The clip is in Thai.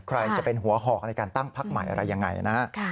ใครจะเป็นหัวหอกในการตั้งพักใหม่อะไรยังไงนะฮะ